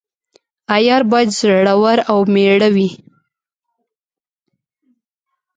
عیار باید زړه ور او میړه وي.